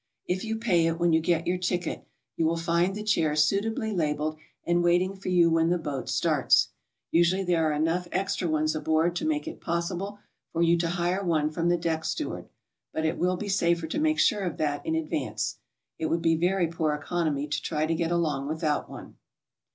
If you pay it when you get your ticket you will find the chair suitably labelled and waiting for you when the boat starts; usually there are enough extra ones aboard to make it possible for you to hire one from the deck steward, but it will be safer to make sure of that in ad vance. It would be very poor economy to try to get along without one.